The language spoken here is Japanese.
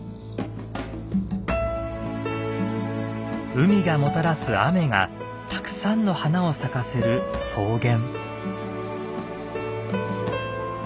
海がもたらす雨がたくさんの花を咲かせる草原。